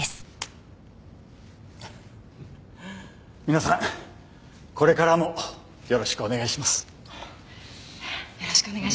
皆さんこれからもよろしくお願いします。